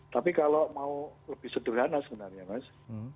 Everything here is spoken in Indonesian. tapi kalau mau lebih sederhana sebenarnya mas